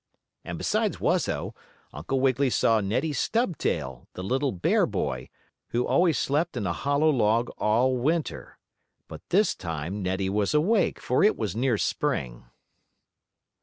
And besides Wuzzo, Uncle Wiggily saw Neddie Stubtail, the little bear boy, who always slept in a hollow log all Winter. But this time Neddie was awake, for it was near Spring.